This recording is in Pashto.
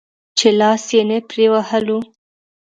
چې لاس يې نه پرې وهلو.